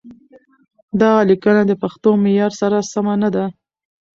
دغه ليکنه د پښتو معيار سره سمه نه ده.